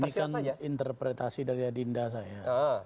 ini kan interpretasi dari adinda saya